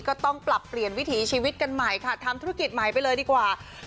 ก็ต้องปรับเปลี่ยนวิถีชีวิตกันใหม่ค่ะทำธุรกิจใหม่ไปเลยดีกว่า